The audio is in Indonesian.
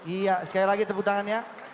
iya sekali lagi tepuk tangannya